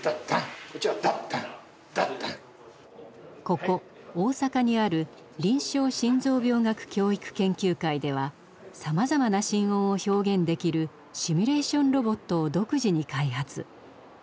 ここ大阪にある臨床心臓病学教育研究会ではさまざまな心音を表現できるシミュレーションロボットを独自に開発。